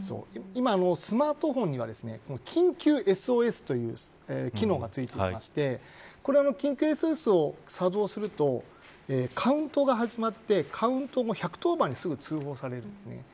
今スマートフォンには緊急ＳＯＳという機能がついていましてこれは緊急ＳＯＳを作動するとカウントが始まってカウント後１１０番に通報をされるんです。